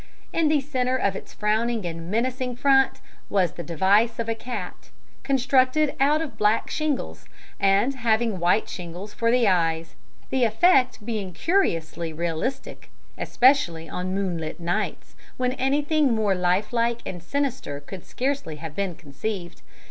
In the centre of its frowning and menacing front was the device of a cat, constructed out of black shingles, and having white shingles for the eyes; the effect being curiously realistic, especially on moonlight nights, when anything more lifelike and sinister could scarcely have been conceived.